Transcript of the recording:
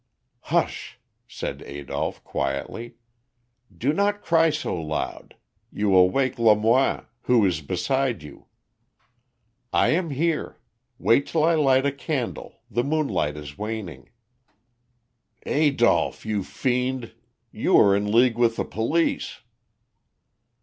"Hush," said Adolph, quietly. "Do not cry so loud. You will wake Lamoine, who is beside you. I am here; wait till I light a candle, the moonlight is waning." "Adolph, you fiend, you are in league with the police."